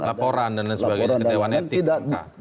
laporan dan sebagainya ke dewan etik